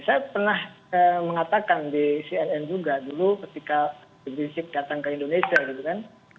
saya pernah mengatakan di cnn juga dulu ketika rizik datang ke indonesia gitu kan